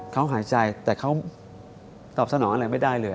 เขาหายใจแต่เขาตอบสนองอะไรไม่ได้เลย